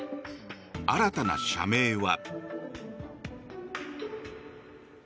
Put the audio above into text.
新たな社名は。